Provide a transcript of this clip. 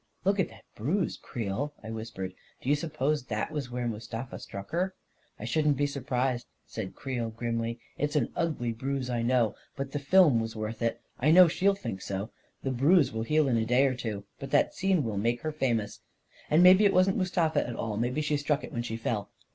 " Look at that bruise, Creel," I whispered. " Do you suppose that was where Mustafa struck her?" " I shouldn't be surprised," said Creel, grimly. " It's an ugly bruise, I know — but the film was A KING IN BABYLON 261 worth it. I know she'll think so 1 The bruise will heal in a day or two, but that scene will make her famous! And maybe it wasn't Mustafa at all — maybe she struck it when she fell.